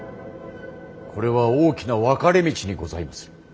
これは大きな分かれ道にございまする。